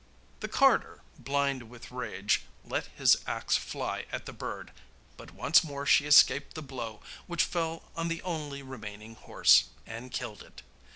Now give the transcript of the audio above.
The carter, blind with rage, let his axe fly at the bird; but once more she escaped the blow, which fell on the only remaining horse, and killed it.